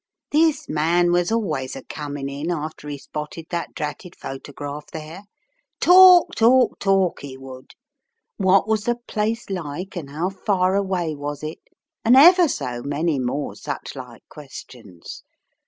This man was always a coming in, after he spotted that dratted photograph there. Talk, talk, talk 'e would. What was the place like and how far away was it? And ever so many more such like questions.